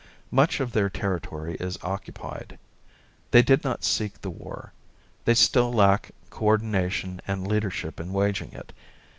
Much of their territory is occupied. They did not seek the war; they still lack co ordination and leadership in waging it.